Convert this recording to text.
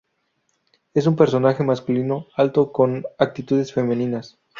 Es un personaje masculino, alto, con actitudes femeninas.